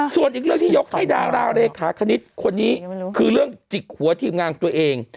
ส่วนอีกเรื่องที่ยกให้ดาราเลขาคณิตคนนี้คือเรื่องจิกหัวทีมงานของตัวเอง